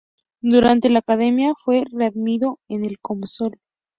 Durante la academia, fue readmitido en el Komsomol.